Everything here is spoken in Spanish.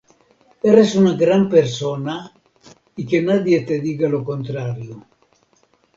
¡Eres una gran persona, y que nadie te diga lo contrario!